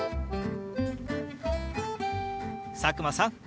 佐久間さん